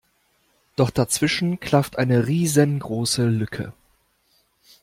Doch dazwischen klafft eine riesengroße Lücke.